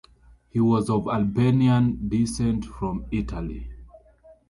He was of Albanian descent from Italy.